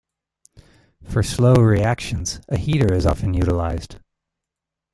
For slow reactions, a heater is often utilized.